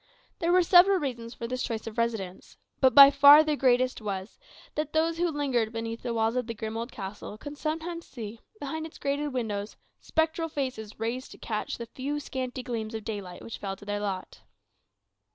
There were several reasons for this choice of residence; but by far the greatest was, that those who lingered beneath the walls of the grim old castle could sometimes see, behind its grated windows, spectral faces raised to catch the few scanty gleams of daylight which fell to their lot.